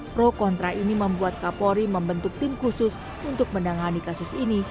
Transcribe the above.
pro kontra ini membuat kapolri membentuk tim khusus untuk menangani kasus ini